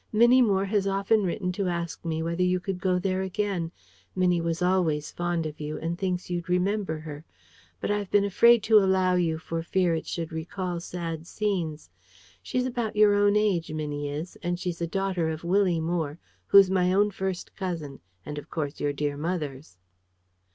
Minnie Moore has often written to ask me whether you could go there again; Minnie was always fond of you, and thinks you'd remember her: but I've been afraid to allow you, for fear it should recall sad scenes. She's about your own age, Minnie is; and she's a daughter of Willie Moore, who's my own first cousin, and of course your dear mother's."